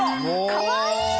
かわいい！